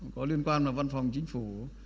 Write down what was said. có liên quan vào văn phòng chính phủ